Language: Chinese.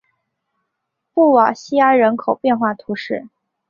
布瓦西埃人口变化图示